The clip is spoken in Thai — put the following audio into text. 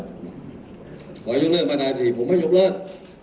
ขอให้ยกเลิกมาได้สิผมไม่ยกเลิก